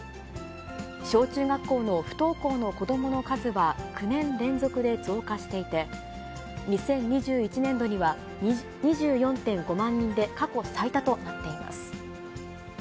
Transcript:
小中学校の不登校の子どもの数は９年連続で増加していて、２０２１年度には、２４．５万人で過去最多となっています。